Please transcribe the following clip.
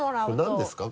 何ですか？